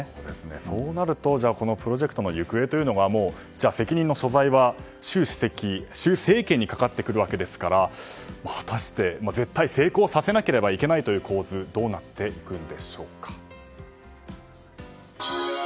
そうなるとプロジェクトの行方というのが責任の所在は習主席、習政権にかかってくるわけですから果たして、絶対成功させなければいけないという構図はどうなっていくんでしょうか。